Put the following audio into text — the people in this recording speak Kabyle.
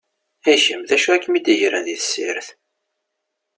I kem, d acu i kem-id-igren di tessirt?